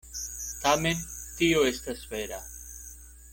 Tamen tio estas vera.